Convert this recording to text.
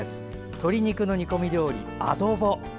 鶏肉の煮込み料理、アドボ。